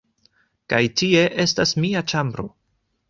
Kaj tie estas mia ĉambro